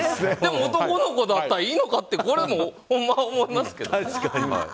でも男の子だったらいいのかってこれもほんま思いますけど。